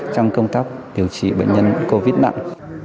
trong công tác điều trị bệnh nhân covid nặng